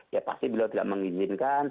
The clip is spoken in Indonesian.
ya pasti beliau tidak mengizinkan